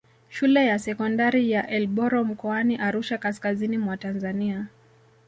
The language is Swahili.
Shule ya sekondari ya Elboro mkoani Arusha kaskazini mwa Tanzania